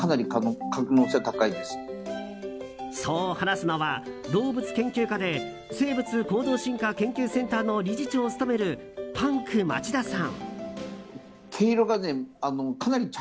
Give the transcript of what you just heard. そう話すのは動物研究家で生物行動進化研究センターの理事長を務めるパンク町田さん。